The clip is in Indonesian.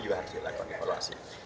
juga harus dilakukan evaluasi